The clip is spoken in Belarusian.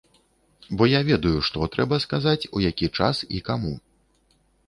Бо я ведаю, што трэба сказаць, у які час і каму.